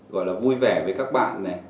gọi là vui vẻ với các bạn này